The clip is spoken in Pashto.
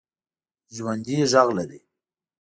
ژوندي غږ لري